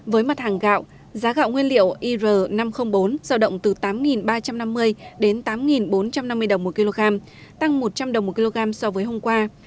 với mặt hàng gạo giá gạo nguyên liệu ir năm trăm linh bốn giao động từ tám ba trăm năm mươi đến tám bốn trăm năm mươi đồng một kg tăng một trăm linh đồng một kg so với hôm qua